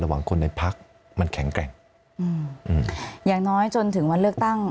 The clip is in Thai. คนในพักมันแข็งแกร่งอืมอย่างน้อยจนถึงวันเลือกตั้ง